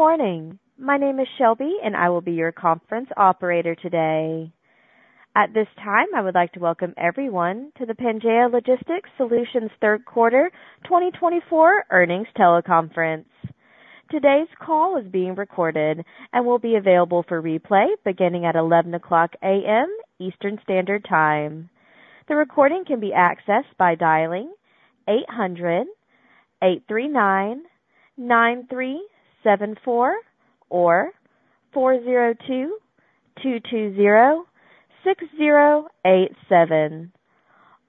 Good morning. My name is Shelby, and I will be your conference operator today. At this time, I would like to welcome everyone to the Pangaea Logistics Solutions third quarter 2024 earnings teleconference. Today's call is being recorded and will be available for replay beginning at 11:00 A.M. Eastern Standard Time. The recording can be accessed by dialing 800-839-9374 or 402-220-6087.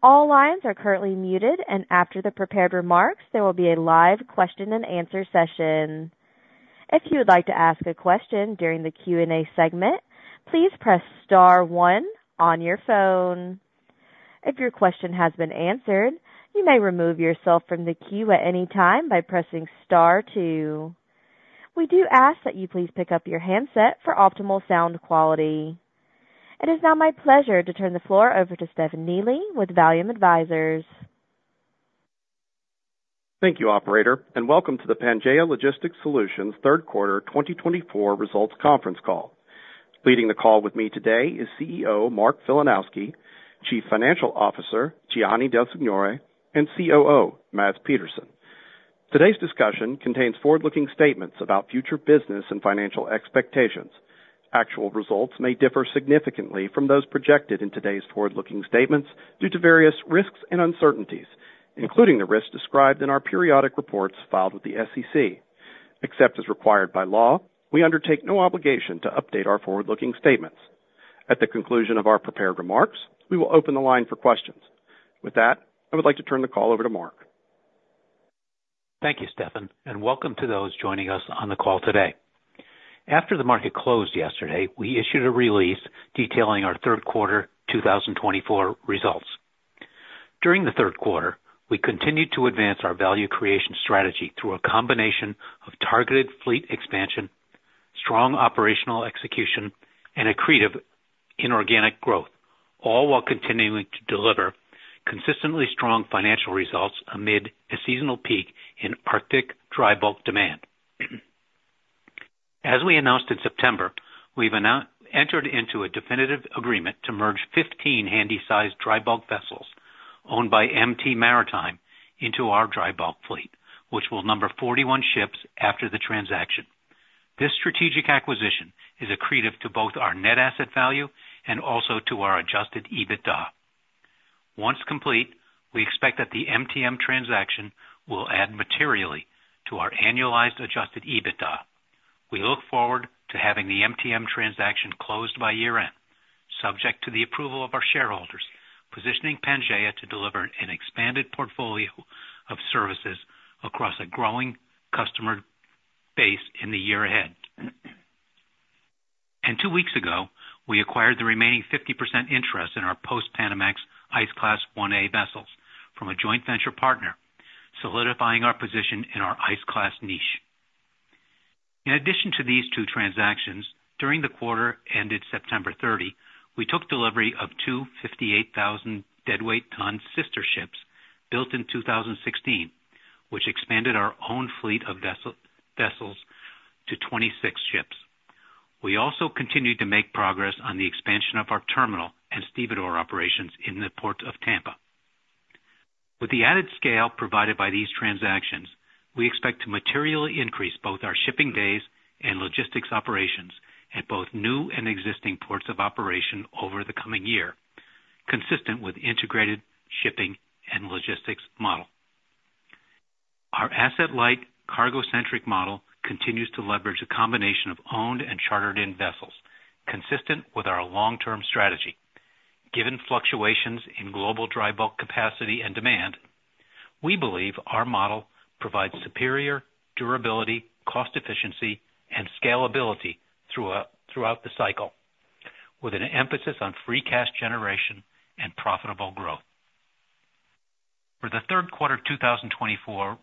All lines are currently muted, and after the prepared remarks, there will be a live question-and-answer session. If you would like to ask a question during the Q&A segment, please press star one on your phone. If your question has been answered, you may remove yourself from the queue at any time by pressing star two. We do ask that you please pick up your handset for optimal sound quality. It is now my pleasure to turn the floor over to Stephanie Lee with Vallum Advisors. Thank you, Operator, and welcome to the Pangaea Logistics Solutions third quarter 2024 results conference call. Leading the call with me today is CEO Mark Filanowski, Chief Financial Officer Gianni Del Signore, and COO Mads Petersen. Today's discussion contains forward-looking statements about future business and financial expectations. Actual results may differ significantly from those projected in today's forward-looking statements due to various risks and uncertainties, including the risks described in our periodic reports filed with the SEC. Except as required by law, we undertake no obligation to update our forward-looking statements. At the conclusion of our prepared remarks, we will open the line for questions. With that, I would like to turn the call over to Mark. Thank you, Stephanie, and welcome to those joining us on the call today. After the market closed yesterday, we issued a release detailing our third quarter 2024 results. During the third quarter, we continued to advance our value creation strategy through a combination of targeted fleet expansion, strong operational execution, and accretive inorganic growth, all while continuing to deliver consistently strong financial results amid a seasonal peak in Arctic dry bulk demand. As we announced in September, we've entered into a definitive agreement to merge 15 Handysize dry bulk vessels owned by MT Maritime into our dry bulk fleet, which will number 41 ships after the transaction. This strategic acquisition is accretive to both our net asset value and also to our adjusted EBITDA. Once complete, we expect that the MTM transaction will add materially to our annualized adjusted EBITDA. We look forward to having the MTM transaction closed by year-end, subject to the approval of our shareholders, positioning Pangaea to deliver an expanded portfolio of services across a growing customer base in the year ahead. Two weeks ago, we acquired the remaining 50% interest in our Post-Panamax Ice Class 1A vessels from a joint venture partner, solidifying our position in our Ice Class niche. In addition to these two transactions, during the quarter ended September 30, we took delivery of two 58,000 deadweight ton sister ships built in 2016, which expanded our own fleet of vessels to 26 ships. We also continued to make progress on the expansion of our terminal and stevedore operations in the Port of Tampa. With the added scale provided by these transactions, we expect to materially increase both our shipping days and logistics operations at both new and existing ports of operation over the coming year, consistent with the integrated shipping and logistics model. Our asset-light, cargo-centric model continues to leverage a combination of owned and chartered-in vessels, consistent with our long-term strategy. Given fluctuations in global dry bulk capacity and demand, we believe our model provides superior durability, cost efficiency, and scalability throughout the cycle, with an emphasis on free cash generation and profitable growth. For the third quarter 2024,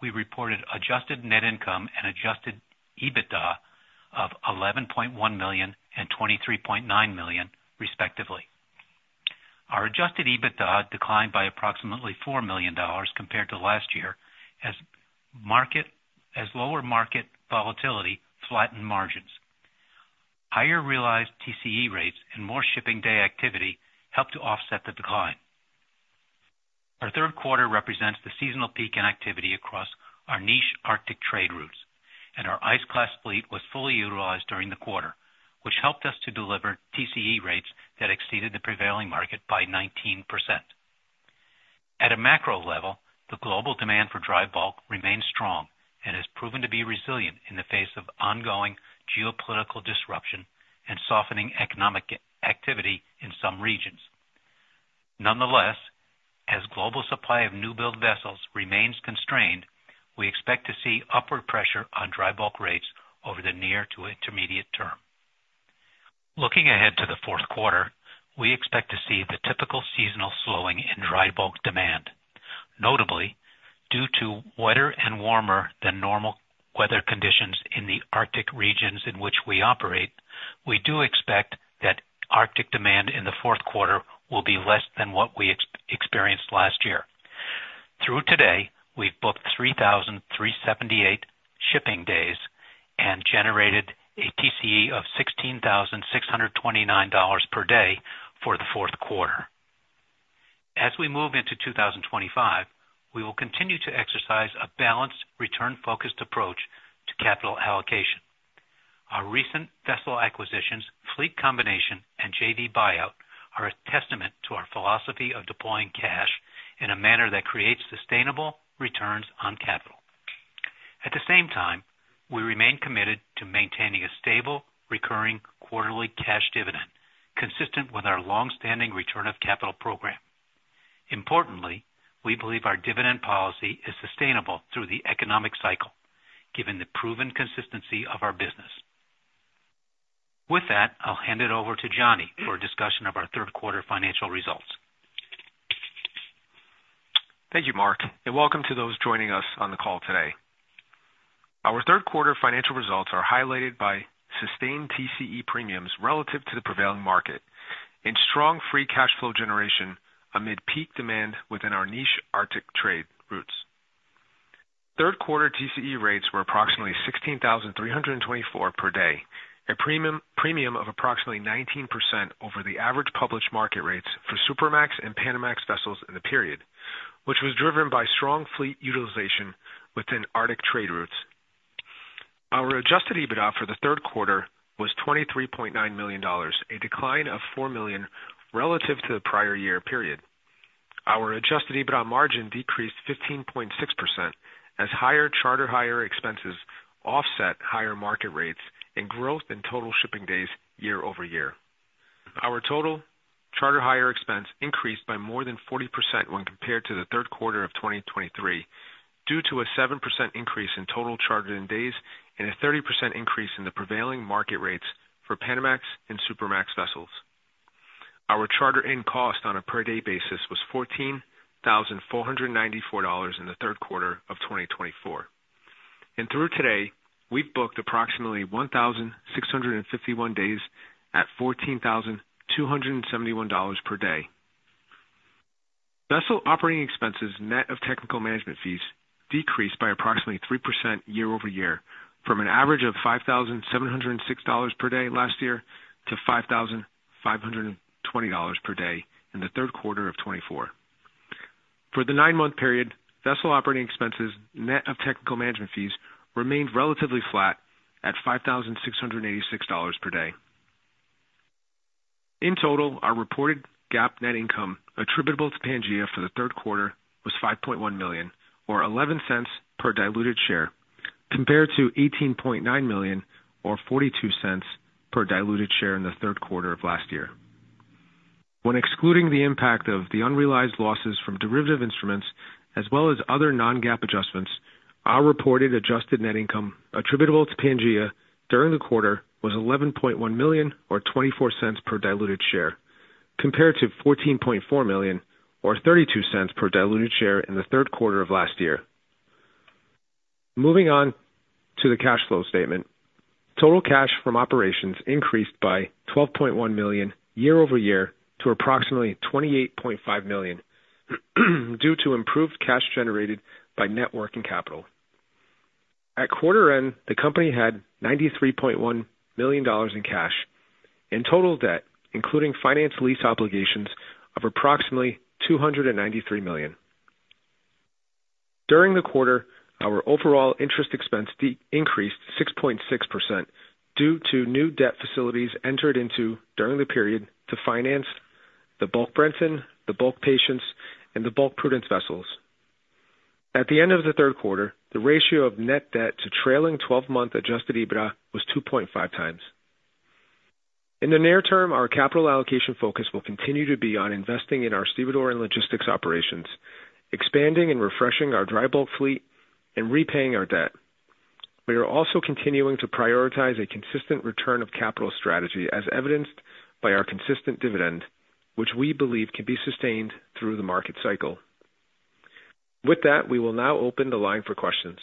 we reported adjusted net income and adjusted EBITDA of $11.1 million and $23.9 million, respectively. Our adjusted EBITDA declined by approximately $4 million compared to last year as lower market volatility flattened margins. Higher realized TCE rates and more shipping day activity helped to offset the decline. Our third quarter represents the seasonal peak in activity across our niche Arctic trade routes, and our Ice Class fleet was fully utilized during the quarter, which helped us to deliver TCE rates that exceeded the prevailing market by 19%. At a macro level, the global demand for dry bulk remains strong and has proven to be resilient in the face of ongoing geopolitical disruption and softening economic activity in some regions. Nonetheless, as global supply of new-build vessels remains constrained, we expect to see upward pressure on dry bulk rates over the near to intermediate term. Looking ahead to the fourth quarter, we expect to see the typical seasonal slowing in dry bulk demand. Notably, due to wetter and warmer than normal weather conditions in the Arctic regions in which we operate, we do expect that Arctic demand in the fourth quarter will be less than what we experienced last year. Through today, we've booked 3,378 shipping days and generated a TCE of $16,629 per day for the fourth quarter. As we move into 2025, we will continue to exercise a balanced, return-focused approach to capital allocation. Our recent vessel acquisitions, fleet combination, and JV buyout are a testament to our philosophy of deploying cash in a manner that creates sustainable returns on capital. At the same time, we remain committed to maintaining a stable, recurring quarterly cash dividend, consistent with our long-standing return of capital program. Importantly, we believe our dividend policy is sustainable through the economic cycle, given the proven consistency of our business. With that, I'll hand it over to Gianni for a discussion of our third quarter financial results. Thank you, Mark, and welcome to those joining us on the call today. Our third quarter financial results are highlighted by sustained TCE premiums relative to the prevailing market and strong free cash flow generation amid peak demand within our niche Arctic trade routes. Third quarter TCE rates were approximately $16,324 per day, a premium of approximately 19% over the average published market rates for Supramax and Panamax vessels in the period, which was driven by strong fleet utilization within Arctic trade routes. Our Adjusted EBITDA for the third quarter was $23.9 million, a decline of $4 million relative to the prior year period. Our Adjusted EBITDA margin decreased 15.6% as higher charter hire expenses offset higher market rates and growth in total shipping days year over year. Our total charter hire expense increased by more than 40% when compared to the third quarter of 2023 due to a 7% increase in total chartered-in days and a 30% increase in the prevailing market rates for Panamax and Supramax vessels. Our charter-in cost on a per-day basis was $14,494 in the third quarter of 2024, and through today, we've booked approximately 1,651 days at $14,271 per day. Vessel operating expenses net of technical management fees decreased by approximately 3% year over year, from an average of $5,706 per day last year to $5,520 per day in the third quarter of 2024. For the nine-month period, vessel operating expenses net of technical management fees remained relatively flat at $5,686 per day. In total, our reported GAAP net income attributable to Pangaea for the third quarter was $5.1 million, or $0.11 per diluted share, compared to $18.9 million, or $0.42 per diluted share in the third quarter of last year. When excluding the impact of the unrealized losses from derivative instruments, as well as other non-GAAP adjustments, our reported adjusted net income attributable to Pangaea during the quarter was $11.1 million, or $0.24 per diluted share, compared to $14.4 million, or $0.32 per diluted share in the third quarter of last year. Moving on to the cash flow statement, total cash from operations increased by $12.1 million year-over-year to approximately $28.5 million due to improved cash generated by working capital. At quarter end, the company had $93.1 million in cash and total debt, including finance lease obligations, of approximately $293 million. During the quarter, our overall interest expense increased 6.6% due to new debt facilities entered into during the period to finance the Bulk Breton, the Bulk Patience, and the Bulk Prudence vessels. At the end of the third quarter, the ratio of net debt to trailing 12-month adjusted EBITDA was 2.5×. In the near term, our capital allocation focus will continue to be on investing in our stevedore and logistics operations, expanding and refreshing our dry bulk fleet, and repaying our debt. We are also continuing to prioritize a consistent return of capital strategy, as evidenced by our consistent dividend, which we believe can be sustained through the market cycle. With that, we will now open the line for questions.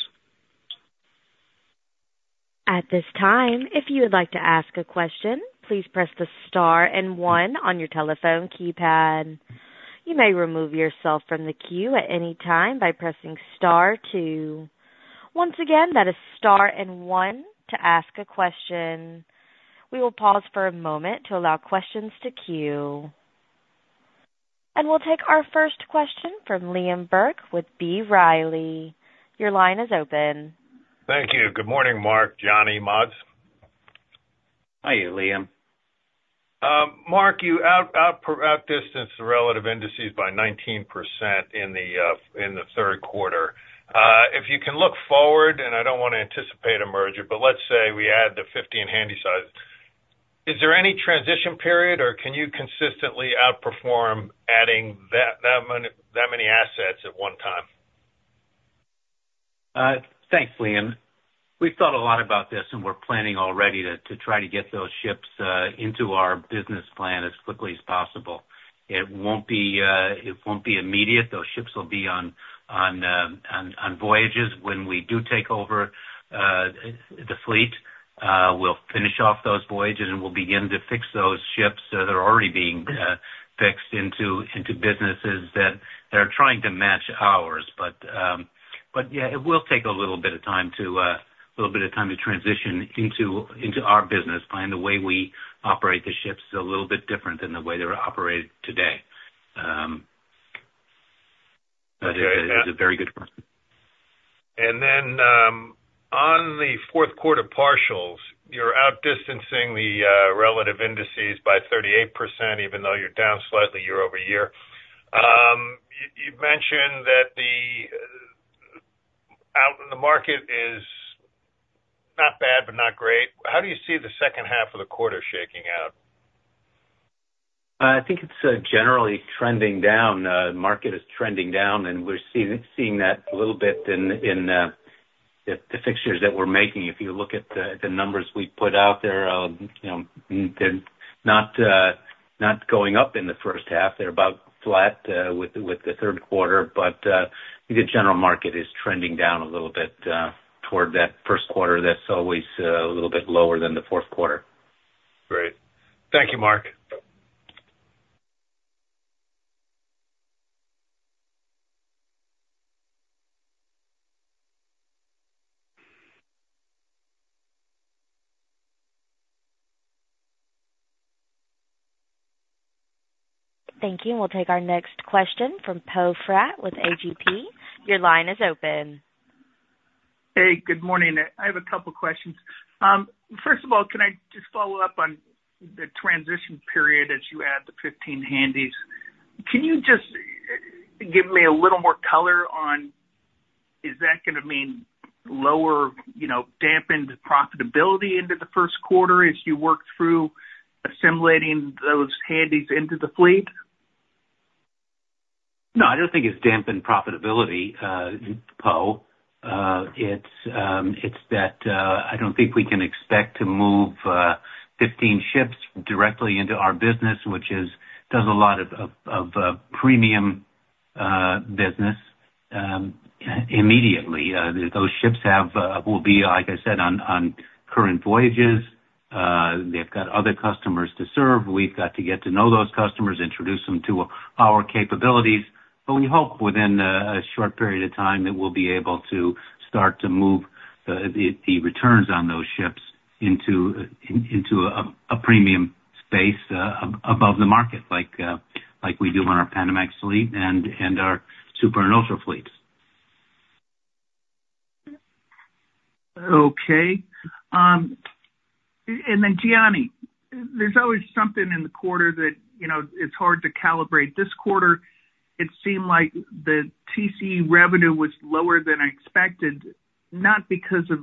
At this time, if you would like to ask a question, please press the star and one on your telephone keypad. You may remove yourself from the queue at any time by pressing star two. Once again, that is star and one to ask a question. We will pause for a moment to allow questions to queue. We'll take our first question from Liam Burke with B. Riley. Your line is open. Thank you. Good morning, Mark, Gianni, Mads? Hi Liam. Mark, you outpaced the rest of the relative indices by 19% in the third quarter. If you can look forward, and I don't want to anticipate a merger, but let's say we add the 15 Handysize, is there any transition period, or can you consistently outperform adding that many assets at one time? Thanks, Liam. We've thought a lot about this, and we're planning already to try to get those ships into our business plan as quickly as possible. It won't be immediate. Those ships will be on voyages. When we do take over the fleet, we'll finish off those voyages, and we'll begin to fix those ships that are already being fixed into businesses that are trying to match ours. But yeah, it will take a little bit of time to transition into our business, find the way we operate the ships a little bit different than the way they're operated today. That is a very good question. Then on the fourth quarter partials, you're outdistancing the relative indices by 38%, even though you're down slightly year-over-year. You've mentioned that the outlook in the market is not bad, but not great. How do you see the second half of the quarter shaking out? I think it's generally trending down. The market is trending down, and we're seeing that a little bit in the fixtures that we're making. If you look at the numbers we put out there, they're not going up in the first half. They're about flat with the third quarter. But the general market is trending down a little bit toward that first quarter. That's always a little bit lower than the fourth quarter. Great. Thank you, Mark. Thank you. We'll take our next question from Poe Fratt with AGP. Your line is open. Hey, good morning. I have a couple of questions. First of all, can I just follow up on the transition period as you add the 15 Handies? Can you just give me a little more color on, is that going to mean lower dampened profitability into the first quarter as you work through assimilating those Handies into the fleet? No, I don't think it's dampened profitability, Poe. It's that I don't think we can expect to move 15 ships directly into our business, which does a lot of premium business immediately. Those ships will be, like I said, on current voyages. They've got other customers to serve. We've got to get to know those customers, introduce them to our capabilities. But we hope within a short period of time that we'll be able to start to move the returns on those ships into a premium space above the market, like we do on our Panamax fleet and our Supra and Ultra fleets. Okay. Then, Gianni, there's always something in the quarter that it's hard to calibrate. This quarter, it seemed like the TCE revenue was lower than expected, not because of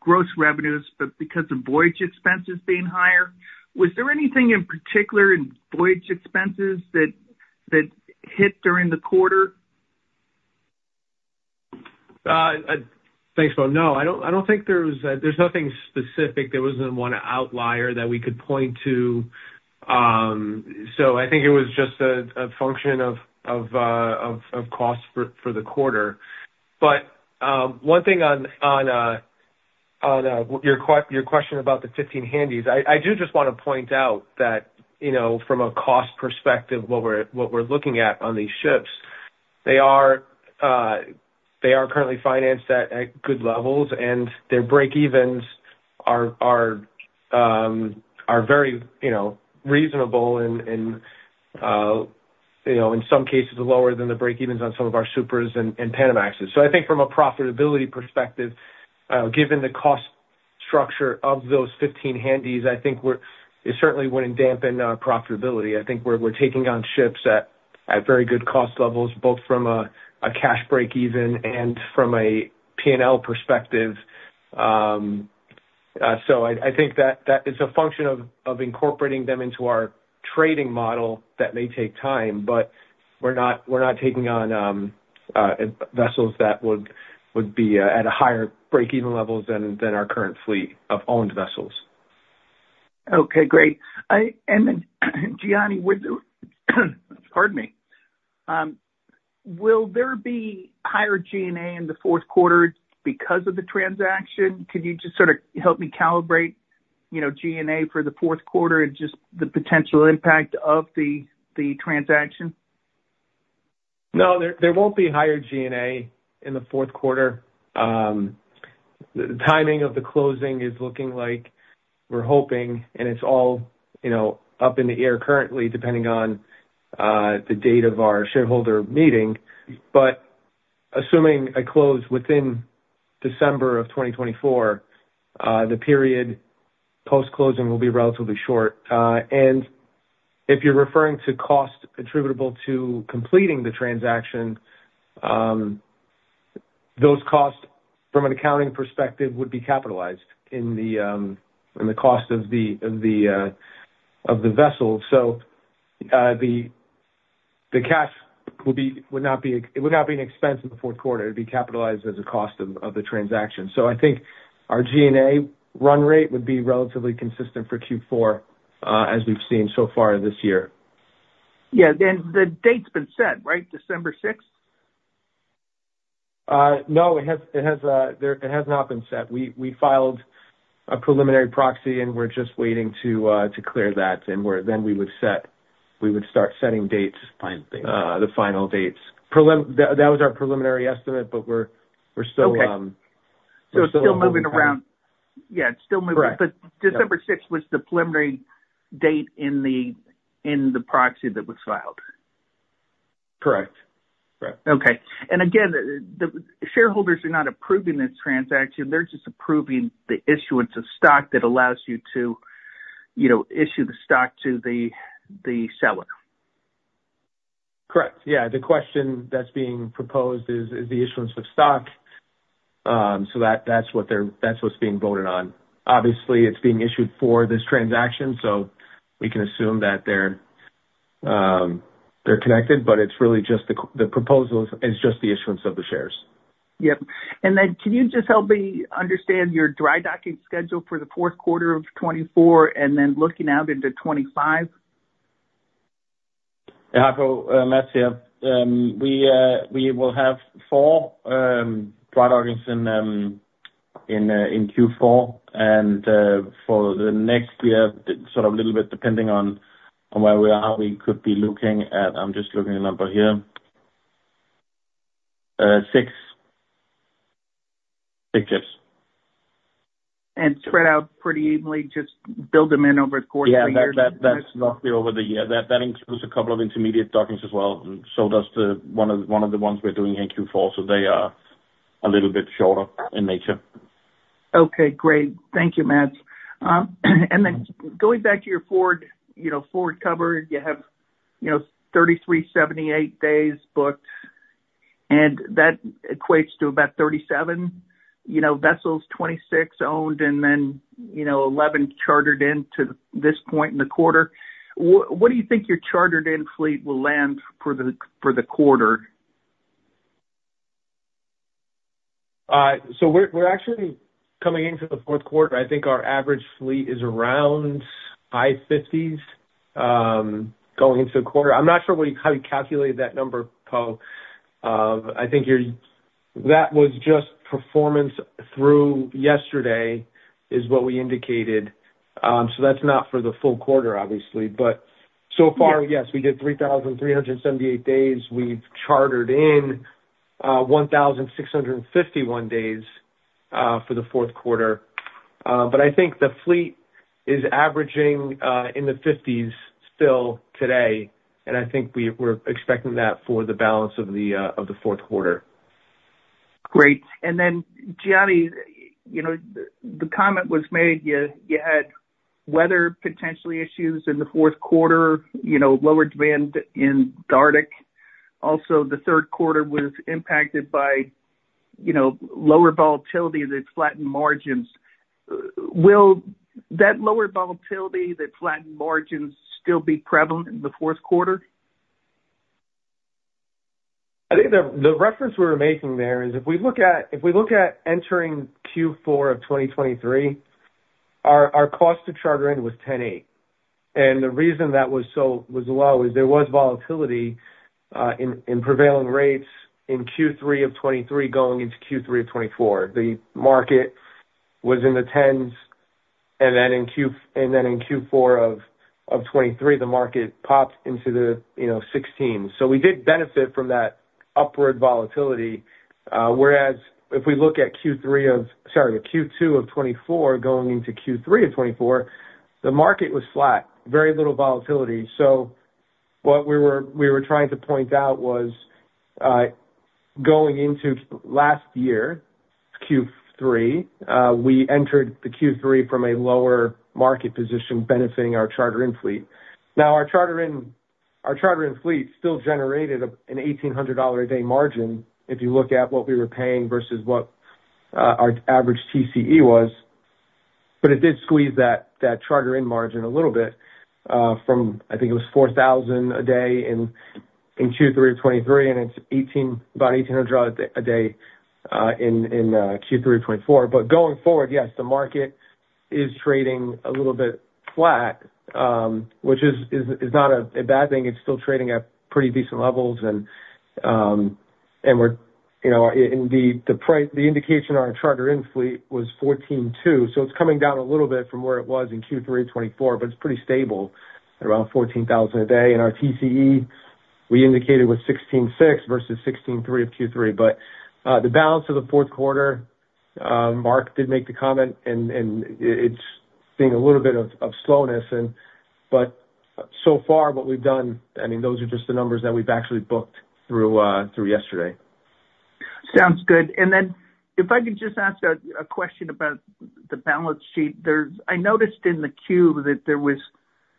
gross revenues, but because of voyage expenses being higher. Was there anything in particular in voyage expenses that hit during the quarter? Thanks, Poe. No, I don't think there's nothing specific. There wasn't one outlier that we could point to. So I think it was just a function of cost for the quarter. But one thing on your question about the 15 Handies, I do just want to point out that from a cost perspective, what we're looking at on these ships, they are currently financed at good levels, and their break-evens are very reasonable and, in some cases, lower than the break-evens on some of our Supras and Panamaxes. So I think from a profitability perspective, given the cost structure of those 15 Handies, I think it certainly wouldn't dampen profitability. I think we're taking on ships at very good cost levels, both from a cash break-even and from a P&L perspective. So I think that is a function of incorporating them into our trading model that may take time, but we're not taking on vessels that would be at a higher break-even level than our current fleet of owned vessels. Okay, great. Then, Gianni, pardon me, will there be higher G&A in the fourth quarter because of the transaction? Can you just sort of help me calibrate G&A for the fourth quarter and just the potential impact of the transaction? No, there won't be higher G&A in the fourth quarter. The timing of the closing is looking like we're hoping, and it's all up in the air currently, depending on the date of our shareholder meeting, but assuming a close within December of 2024, the period post-closing will be relatively short, and if you're referring to cost attributable to completing the transaction, those costs, from an accounting perspective, would be capitalized in the cost of the vessels. So the cash would not be an expense in the fourth quarter. It would be capitalized as a cost of the transaction, so I think our G&A run rate would be relatively consistent for Q4, as we've seen so far this year. Yeah, and the date's been set, right? December 6th? No, it has not been set. We filed a preliminary proxy, and we're just waiting to clear that and then we would start setting dates, the final dates. That was our preliminary estimate, but we're still. Okay. So it's still moving around. Yeah, it's still moving. But December 6th was the preliminary date in the proxy that was filed. Correct. Correct. Okay. Again, the shareholders are not approving this transaction. They're just approving the issuance of stock that allows you to issue the stock to the seller. Correct. Yeah. The question that's being proposed is the issuance of stock. So that's what's being voted on. Obviously, it's being issued for this transaction, so we can assume that they're connected, but it's really just the proposal is just the issuance of the shares. Yep. Then can you just help me understand your dry docking schedule for the fourth quarter of 2024 and then looking out into 2025? Yeah, yeah. We will have four dry dockings in Q4, and for the next year, sort of a little bit depending on where we are, we could be looking at (I'm just looking at the number here) six ships. Spread out pretty evenly, just build them in over the course of the year? Yeah, that's roughly over the year. That includes a couple of intermediate dockings as well. So does one of the ones we're doing in Q4. So they are a little bit shorter in nature. Okay, great. Thank you, Mads. Then going back to your forward cover, you have 3,378 days booked, and that equates to about 37 vessels, 26 owned, and then 11 chartered in to this point in the quarter. What do you think your chartered-in fleet will land for the quarter? So we're actually coming into the fourth quarter. I think our average fleet is around high 50s going into the quarter. I'm not sure how you calculated that number, Poe. I think that was just performance through yesterday is what we indicated. So that's not for the full quarter, obviously. But so far, yes, we did 3,378 days. We've chartered in 1,651 days for the fourth quarter. But I think the fleet is averaging in the 50s still today and I think we're expecting that for the balance of the fourth quarter. Great. Then, Gianni, the comment was made you had weather potentially issues in the fourth quarter, lower demand in the Arctic. Also, the third quarter was impacted by lower volatility that flattened margins. Will that lower volatility that flattened margins still be prevalent in the fourth quarter? I think the reference we're making there is if we look at entering Q4 of 2023, our cost to charter in was $10,800, and the reason that was so low is there was volatility in prevailing rates in Q3 of 2023 going into Q3 of 2024. The market was in the 10s, and then in Q4 of 2023, the market popped into the 16s, so we did benefit from that upward volatility. Whereas if we look at Q3 of, sorry, Q2 of 2024 going into Q3 of 2024, the market was flat, very little volatility. So what we were trying to point out was going into last year, Q3, we entered the Q3 from a lower market position benefiting our charter-in fleet. Now, our charter-in fleet still generated a $1,800 a day margin if you look at what we were paying versus what our average TCE was. But it did squeeze that charter-in margin a little bit from, I think it was $4,000 a day in Q3 of 2023, and it's about $1,800 a day in Q3 of 2024. But going forward, yes, the market is trading a little bit flat, which is not a bad thing. It's still trading at pretty decent levels. Indeed, the indication on our charter-in fleet was $14,140. So it's coming down a little bit from where it was in Q3 of 2024, but it's pretty stable at around $14,000 a day. Our TCE we indicated was $16,060 versus $16,140 of Q3. But the balance of the fourth quarter, Mark did make the comment, and it's seeing a little bit of slowness. But so far, what we've done, I mean, those are just the numbers that we've actually booked through yesterday. Sounds good. Then if I could just ask a question about the balance sheet, I noticed in the Q that there was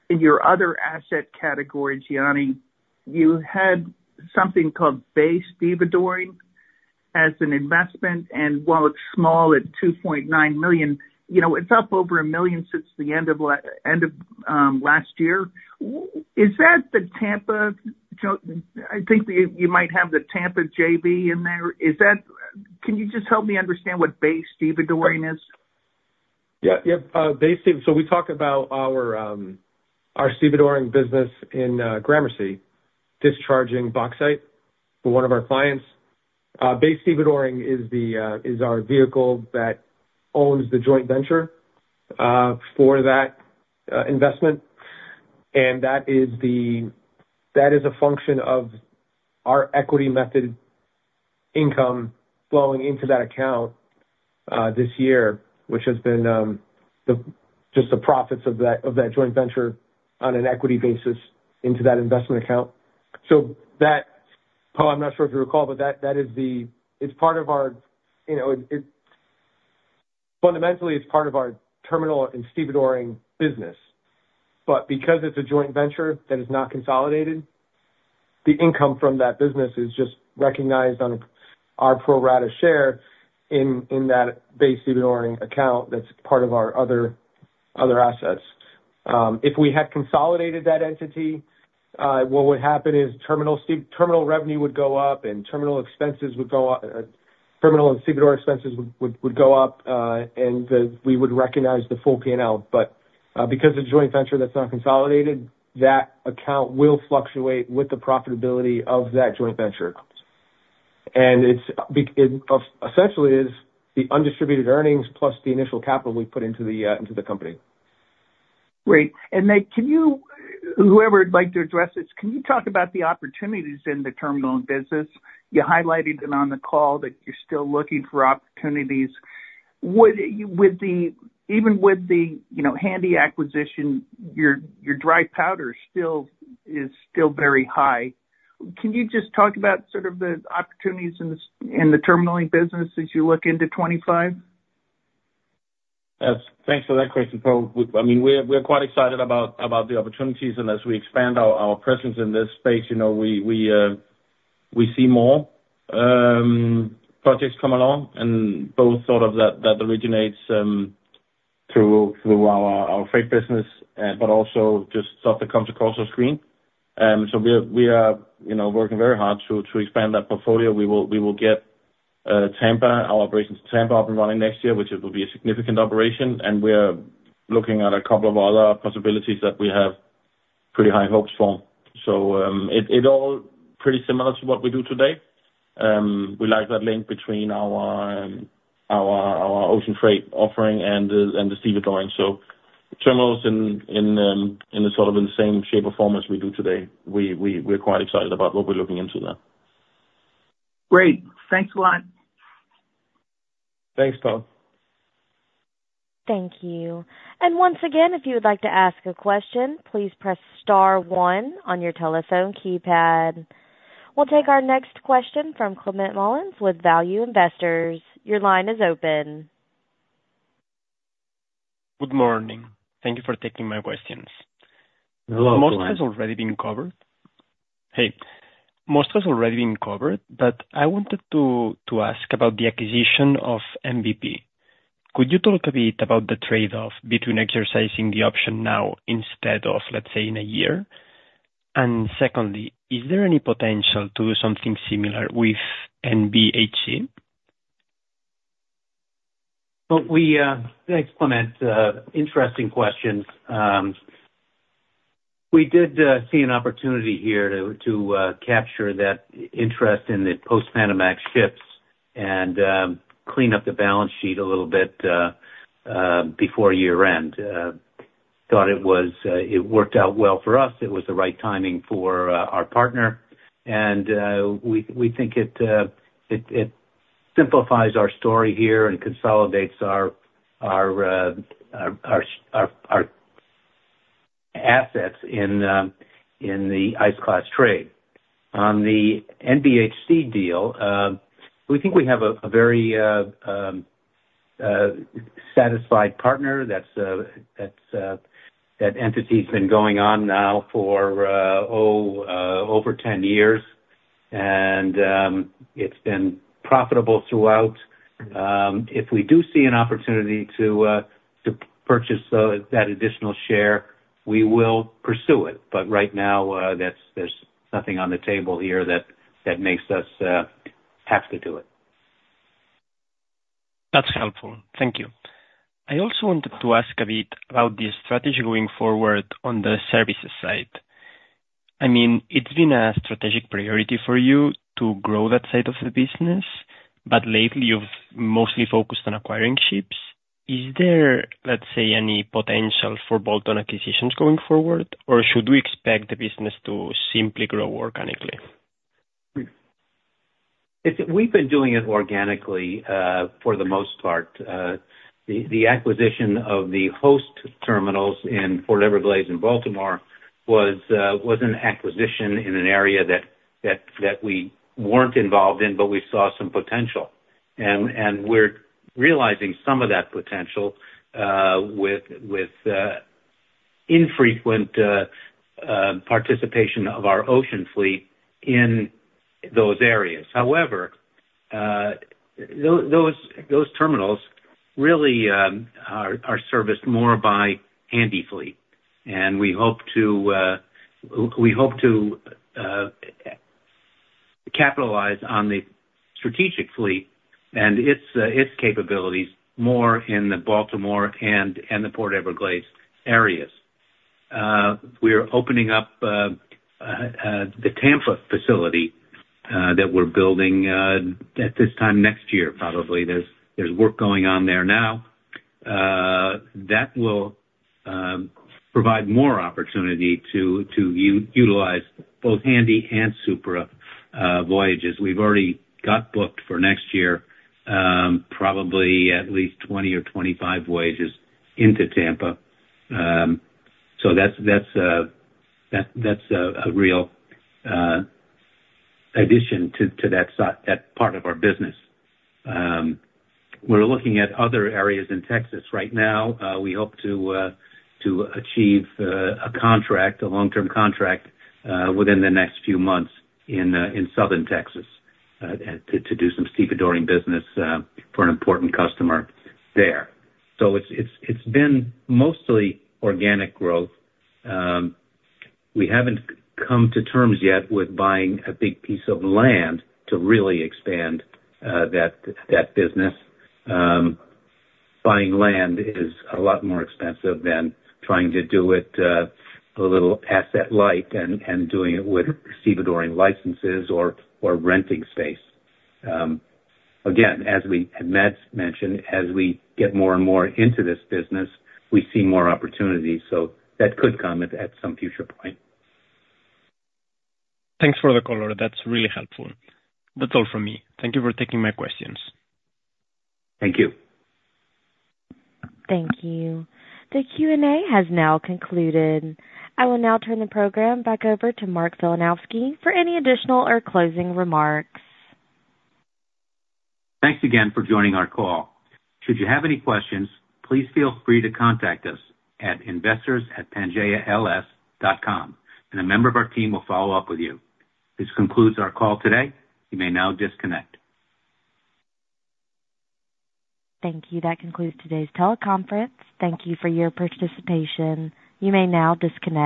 in your other asset category, Gianni, you had something called Bay Stevedore as an investment and while it's small at $2.9 million, it's up over $1 million since the end of last year. Is that the Tampa? I think you might have the Tampa JV in there. Can you just help me understand what Bay Stevedore is? Yeah. Yeah. Bay Stevedore, so we talk about our stevedore business in Gramercy discharging bauxite for one of our clients. Bay Stevedore is our vehicle that owns the joint venture for that investment. That is a function of our equity method income flowing into that account this year, which has been just the profits of that joint venture on an equity basis into that investment account. So that, Poe, I'm not sure if you recall, but that is the. It's part of our. Fundamentally, it's part of our terminal and stevedore business but because it's a joint venture that is not consolidated, the income from that business is just recognized on our pro rata share in that Bay Stevedore account that's part of our other assets. If we had consolidated that entity, what would happen is terminal revenue would go up and terminal expenses would go up. Terminal and stevedore expenses would go up, and we would recognize the full P&L. But because it's a joint venture that's not consolidated, that account will fluctuate with the profitability of that joint venture. It essentially is the undistributed earnings plus the initial capital we put into the company. Great. Whoever would like to address this, can you talk about the opportunities in the terminal business? You highlighted it on the call that you're still looking for opportunities. Even with the handy acquisition, your dry powder is still very high. Can you just talk about sort of the opportunities in the terminal business as you look into 2025? Thanks for that question, Poe. I mean, we're quite excited about the opportunities and as we expand our presence in this space, we see more projects come along, and both sort of that originates through our freight business but also just stuff that comes across our screen. So we are working very hard to expand that portfolio. We will get our operations in Tampa up and running next year, which will be a significant operation and we're looking at a couple of other possibilities that we have pretty high hopes for. So it's all pretty similar to what we do today. We like that link between our ocean freight offering and the stevedoring. So terminals in sort of the same shape or form as we do today. We're quite excited about what we're looking into there. Great. Thanks a lot. Thanks, Paul. Thank you. Once again, if you would like to ask a question, please press star one on your telephone keypad. We'll take our next question from Climent Molins with Value Investor's Edge. Your line is open. Good morning. Thank you for taking my questions. Hello. Most has already been covered. Hey, most has already been covered, but I wanted to ask about the acquisition the JV. Could you talk a bit about the trade-off between exercising the option now instead of, let's say, in a year? Secondly, is there any potential to do something similar with NBHC? Thanks, Climent. Interesting questions. We did see an opportunity here to capture that interest in the Post-Panamax ships and clean up the balance sheet a little bit before year-end. Thought it worked out well for us. It was the right timing for our partner. We think it simplifies our story here and consolidates our assets in the Ice Class trade. On the NBHC deal, we think we have a very satisfied partner. That entity has been going on now for over 10 years, and it's been profitable throughout. If we do see an opportunity to purchase that additional share, we will pursue it. Right now, there's nothing on the table here that makes us have to do it. That's helpful. Thank you. I also wanted to ask a bit about the strategy going forward on the services side. I mean, it's been a strategic priority for you to grow that side of the business, but lately, you've mostly focused on acquiring ships. Is there, let's say, any potential for bolt-on acquisitions going forward, or should we expect the business to simply grow organically? We've been doing it organically for the most part. The acquisition of the Host Terminals in Port Everglades and Baltimore was an acquisition in an area that we weren't involved in, but we saw some potential and we're realizing some of that potential with infrequent participation of our ocean fleet in those areas. However, those terminals really are serviced more by Handy Fleet. We hope to capitalize on the strategic fleet and its capabilities more in the Baltimore and the Port Everglades areas. We're opening up the Tampa facility that we're building at this time next year, probably. There's work going on there now. That will provide more opportunity to utilize both Handy and Supra voyages. We've already got booked for next year probably at least 20 or 25 voyages into Tampa. So that's a real addition to that part of our business. We're looking at other areas in Texas right now. We hope to achieve a contract, a long-term contract within the next few months in southern Texas to do some stevedore business for an important customer there. So it's been mostly organic growth. We haven't come to terms yet with buying a big piece of land to really expand that business. Buying land is a lot more expensive than trying to do it a little asset-light and doing it with stevedore licenses or renting space. Again, as we had mentioned, as we get more and more into this business, we see more opportunities. So that could come at some future point. Thanks for the color. That's really helpful. That's all from me. Thank you for taking my questions. Thank you. Thank you. The Q&A has now concluded. I will now turn the program back over to Mark Filanowski for any additional or closing remarks. Thanks again for joining our call. Should you have any questions, please feel free to contact us at investors@pangaeals.com and a member of our team will follow up with you. This concludes our call today. You may now disconnect. Thank you. That concludes today's teleconference. Thank you for your participation. You may now disconnect.